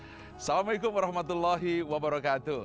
assalamualaikum warahmatullahi wabarakatuh